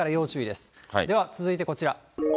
では続いてこちら。